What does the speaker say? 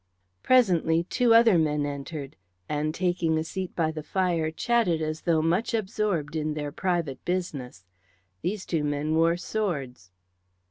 Presently two other men entered, and taking a seat by the fire chatted together as though much absorbed in their private business. These two men wore swords.